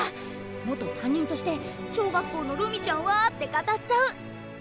元担任として「小学校のるみちゃんは」って語っちゃう。